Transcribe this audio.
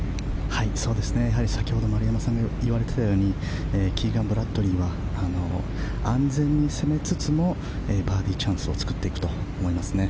先ほど丸山さんが言われていたようにキーガン・ブラッドリーは安全に攻めつつもバーディーチャンスを作っていくと思いますね。